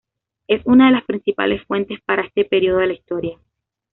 Es una de las principales fuentes para este período de la historia.